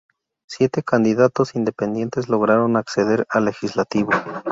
Siete candidatos independientes lograron acceder al legislativo.